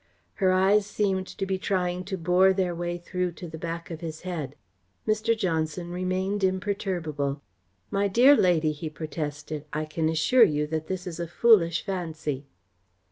Her eyes seemed to be trying to bore their way through to the back of his head. Mr. Johnson remained imperturbable. "My dear lady," he protested, "I can assure you that this is a foolish fancy."